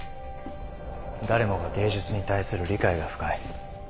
誰もが芸術に対する理解が深い。